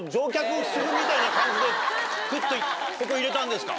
クッとここ入れたんですか？